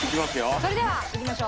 それではいきましょう。